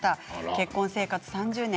結婚生活３０年。